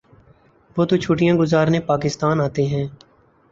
وہ تو چھٹیاں گزارنے پاکستان آتے ہیں۔